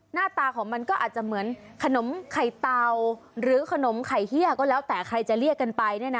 หน้าตาของมันก็อาจจะเหมือนขนมไข่เตาหรือขนมไข่เฮียก็แล้วแต่ใครจะเรียกกันไปเนี่ยนะ